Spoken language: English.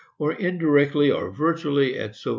or indirectly, or virtually, &c. &c.